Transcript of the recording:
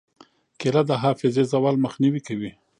کېله د حافظې زوال مخنیوی کوي.